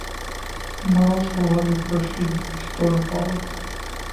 Мала што гады прайшлі і столь упала.